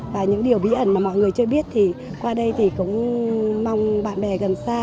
và những điều bí ẩn mà mọi người chưa biết thì qua đây thì cũng mong bạn bè gần xa